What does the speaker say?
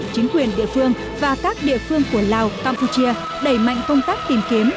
chính quyền địa phương và các địa phương của lào campuchia đẩy mạnh công tác tìm kiếm